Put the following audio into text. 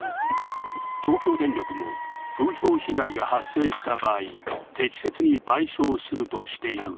東京電力も風評被害が発生した場合、適切に賠償するとしているが